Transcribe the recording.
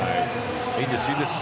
いいです、いいです。